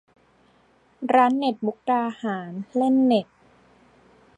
ร้านเน็ตมุกดาหาร : เล่นเน็ต